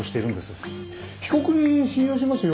被告人信用しますよ